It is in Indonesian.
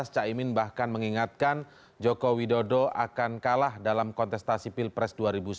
caimin bahkan mengingatkan joko widodo akan kalah dalam kontestasi pilpres dua ribu sembilan belas